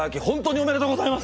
おめでとうございます。